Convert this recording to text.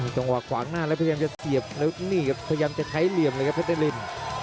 จังหวะขวางหน้าแล้วพยายามจะเสียบพยายามจะไถเหลี่ยมเลยครับเวทยาลิน